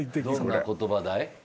どんな言葉だい？